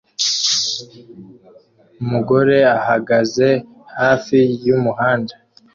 Umugore ahagaze hafi y'umuhanda